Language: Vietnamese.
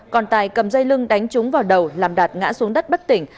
còn tài cầm dây lưng đánh trúng vào đầu làm đạt ngã xuống đất bất tỉnh